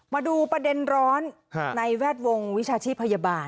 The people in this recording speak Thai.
มาดูประเด็นร้อนในแวดวงวิชาชีพพยาบาล